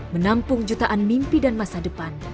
menampung jutaan mimpi dan masa depan